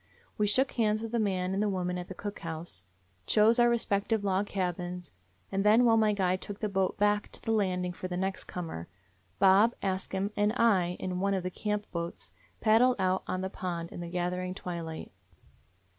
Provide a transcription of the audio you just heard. We shook hands with the man and the woman at the cook 201 DOG HEROES OF MANY LANDS house; chose our respective log cabins; and then, while my guide took the boat back to the landing for the next comer, Bob, Ask Him, and I in one of the camp boats paddled out on the pond in the gathering twilight.